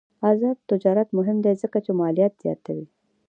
آزاد تجارت مهم دی ځکه چې مالیات زیاتوي.